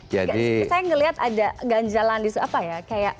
saya melihat ada ganjalan di suatu apa ya